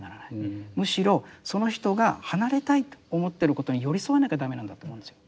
むしろその人が離れたいと思ってることに寄り添わなきゃ駄目なんだと思うんですよ。